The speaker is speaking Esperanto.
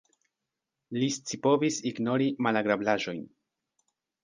Li scipovis ignori malagrablaĵojn.